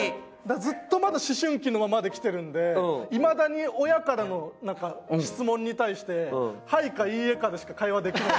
ずっとまだ思春期のままできてるんでいまだに親からの質問に対して「はい」か「いいえ」かでしか会話できない。